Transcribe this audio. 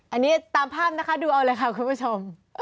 อันนี้ตามภาพนะคะดูเอาเลยค่ะคุณผู้ชม